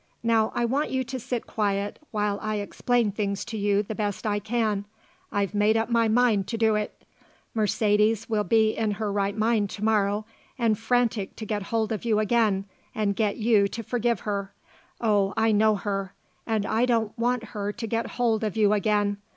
Now I want you to sit quiet while I explain things to you the best I can. I've made up my mind to do it. Mercedes will be in her right mind to morrow and frantic to get hold of you again and get you to forgive her. Oh, I know her. And I don't want her to get hold of you again.